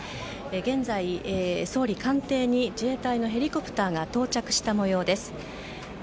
現在、総理官邸に自衛隊のヘリコプターが到着した模様です。